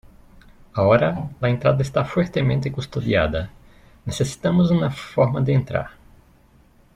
Ahora , la entrada está fuertemente custodiada . Necesitamos una forma de entrar .